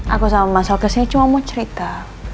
aku sama mas alka sini cuma mau cerita